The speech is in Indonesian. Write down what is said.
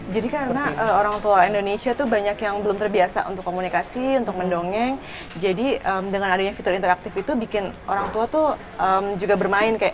jadi karena orang tua indonesia tuh banyak yang belum terbiasa untuk komunikasi untuk mendongeng jadi dengan adanya fitur interaktif itu bikin orang tua tuh juga bermain kayak